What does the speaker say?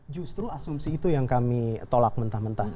justru asumsi itu yang kami tolak mentah mentah